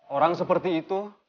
orang seperti itu